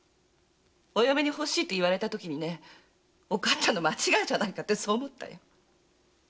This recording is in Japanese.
お嫁にほしいって言われたときにおかつちゃんの間違いじゃないかとそう思ったよ。